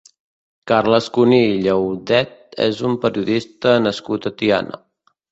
Carles Cuní i Llaudet és un periodista nascut a Tiana.